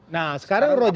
nah sekarang roja gini